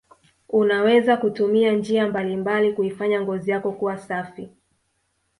unaweza kutumia njia mbalimbali kuifanya ngozi yako kuwa safi